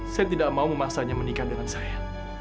saya tidak mau memaksanya menikah dengan saya